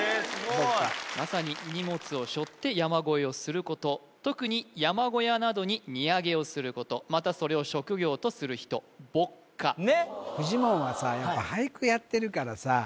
まさに荷物を背負って山越えをすること特に山小屋などに荷上げをすることまたそれを職業とする人ぼっかフジモンはさやっぱ俳句やってるからさ